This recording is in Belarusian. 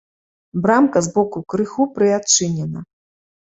Брамка збоку крыху прыадчынена.